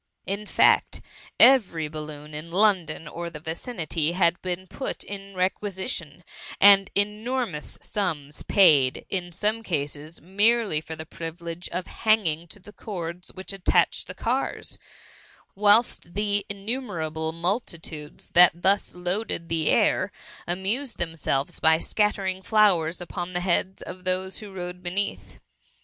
In fact, every belloon in Lon« don or the vicinity had been put in requid tion, and enormous sums paid, in sooie cases, merely for the privilege of banging to the cords which attached the cars, whilst the in ihimerable multitudes that thus loaded the air, amused themselves by scattering flow ers upon the heads of those who lode be neath.